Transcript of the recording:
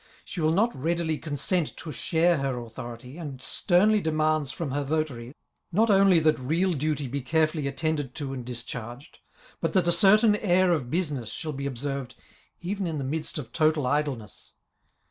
She will not readily consent to share her authority, and sternly demands from her votaries, not only that real duty be carefully attended to and discharged, but that a certain air of business shall be observed even in the midst of total idleness.